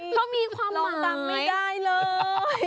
เขามีความหมายลองตามไม่ได้เลย